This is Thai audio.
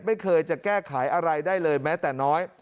ไม่เคยจะแก้ไขอะไรได้เลยแม้แต่น้อย